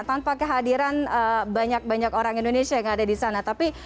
tanpa kehadiran banyak banyak orang indonesia yang ada di sana tapi